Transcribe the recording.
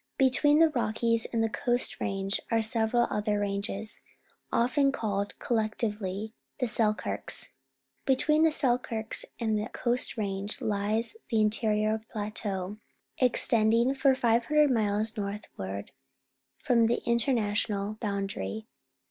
Between the Rockies and the Coast Range are several other ranges, often called collec tively the Selk^irks. Between the Selkirks and the Coast Range lies the ljxkrior_ElaLcau, extending for 500 miles northward from the international boundary.